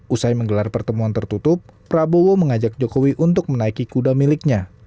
usai menggelar pertemuan tertutup prabowo mengajak jokowi untuk menaiki kuda miliknya